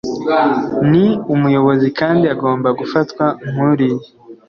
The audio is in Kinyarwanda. Ni umuyobozi, kandi agomba gufatwa nkuriya.